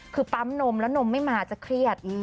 คือปั๊มนมแล้วนมไม่มาจะเครียด